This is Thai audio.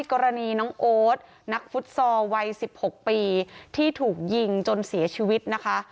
กรณีน้องโอ๊ตนักฟุตซอลวัย๑๖ปีที่ถูกยิงจนเสียชีวิตนะคะ